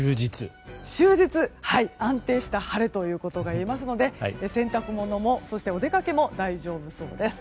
終日安定した晴れといえますので、洗濯物もお出かけも大丈夫そうです。